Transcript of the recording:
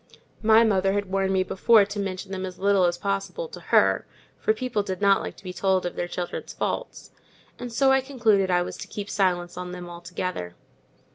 My mother had warned me before to mention them as little as possible to her, for people did not like to be told of their children's faults, and so I concluded I was to keep silence on them altogether.